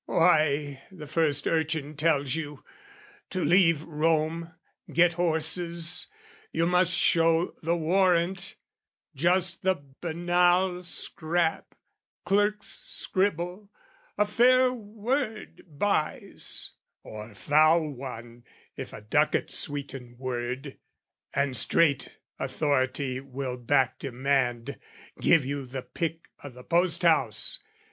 Why, the first urchin tells you, to leave Rome, Get horses, you must show the warrant, just The banal scrap, clerk's scribble, a fair word buys, Or foul one, if a ducat sweeten word, And straight authority will back demand, Give you the pick o' the post house!